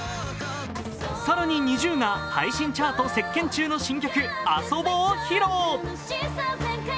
更にＮｉｚｉＵが配信チャート席巻中の新曲、「ＡＳＯＢＯ」を披露。